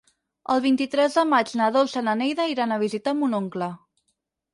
El vint-i-tres de maig na Dolça i na Neida iran a visitar mon oncle.